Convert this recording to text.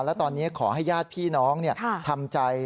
และตอนนี้ขอให้ญาติพี่น้องทำใจ